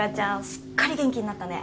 すっかり元気になったね。